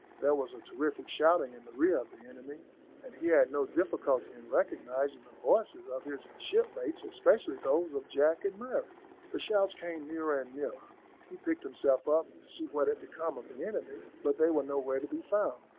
There was a terrific shouting in the rear of the enemy, and he had no difficulty in recognising the voices of his shipmates, especially those of Jack and Murray. The shouts came nearer and nearer. He picked himself up to see what had become of the enemy, but they were nowhere to be found.